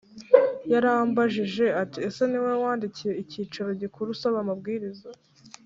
yarambajije ati ese ni wowe wandikiye icyicaro gikuru usaba ababwiriza